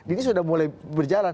ini sudah mulai berjalan